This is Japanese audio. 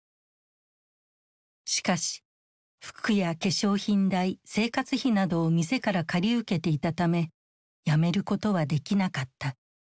しかし服や化粧品代生活費などを店から借り受けていたため辞めることはできなかった。